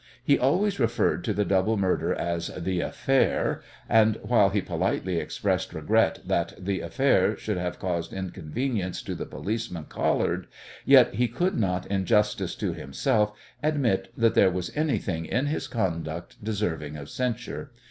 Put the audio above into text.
He always referred to the double murder as "the affair," and while he politely expressed regret that "the affair" should have caused inconvenience to the policeman Collard, yet he could not in justice to himself, admit that there was anything in his conduct deserving of censure.